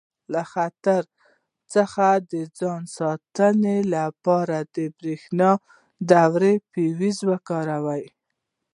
له خطر څخه د ځان ساتلو لپاره په برېښنایي دورو کې فیوز وکاروئ.